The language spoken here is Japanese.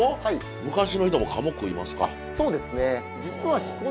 昔の人も鴨食いますか。